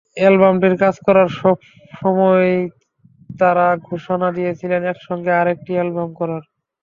অ্যালবামটির কাজ করার সময়ই তাঁরা ঘোষণা দিয়েছিলেন একসঙ্গে আরেকটি অ্যালবাম করার।